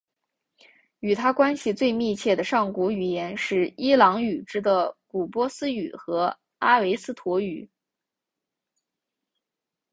与它关系最密切的上古语言是伊朗语支的古波斯语和阿维斯陀语。